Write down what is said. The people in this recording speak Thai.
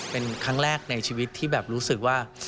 เป็นครั้งแรกในชีวิตที่แบบรู้สึกว่า